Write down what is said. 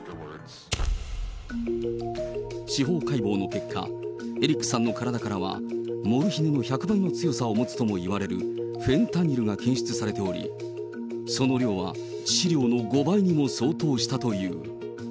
司法解剖の結果、エリックさんの体からは、モルヒネの１００倍の強さを持つともいわれる、フェンタニルが検出されており、その量は致死量の５倍にも相当したという。